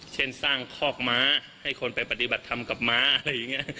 เช่นสร้างคอกม้าให้คนไปปฏิบัติธรรมกับม้าอะไรอย่างนี้